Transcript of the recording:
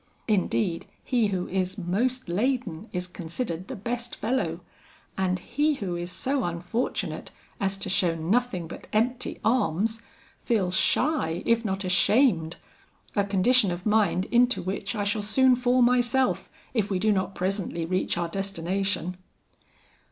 Indeed, he who is most laden is considered the best fellow, and he who is so unfortunate as to show nothing but empty arms, feels shy if not ashamed; a condition of mind into which I shall soon fall myself, if we do not presently reach our destination."